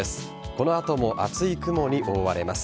この後も厚い雲に覆われます。